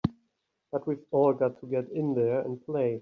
But we've all got to get in there and play!